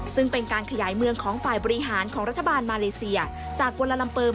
ซึ่งเป็นการขยายเมืองของฝ่ายบริหารของรัฐบาลมาเลเซียจากกวลลัมเปอร์มาอยู่ที่นี่